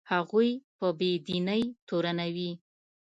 هغوی په بې دینۍ تورنوي.